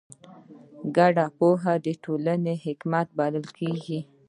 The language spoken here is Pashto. ګډه پوهه د ټولنې حکمت بلل کېږي.